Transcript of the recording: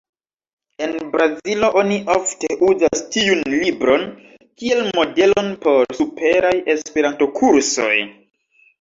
En Brazilo oni ofte uzas tiun libron kiel modelon por superaj Esperanto-kursoj.